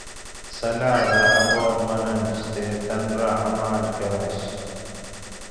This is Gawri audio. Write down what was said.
سلاۤ دہ اۤ بات مننش تےتن رہ عمال کرنش